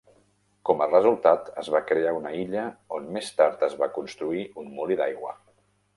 Com a resultat, es va crear una illa on més tard es va construir un molí d'aigua.